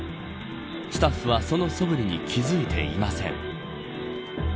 スタッフは、その素振りに気付いていません。